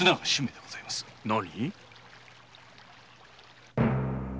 何？